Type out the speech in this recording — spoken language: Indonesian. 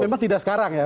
memang tidak sekarang ya